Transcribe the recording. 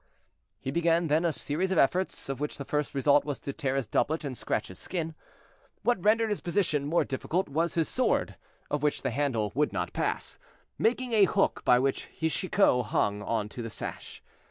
He began then a series of efforts, of which the first result was to tear his doublet and scratch his skin. What rendered his position more difficult was his sword, of which the handle would not pass, making a hook by which Chicot hung on to the sash.